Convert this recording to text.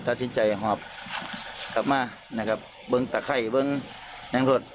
ตัวชินใจหอบกลับมานะครับบึงตะไข้บึงนางโทรธ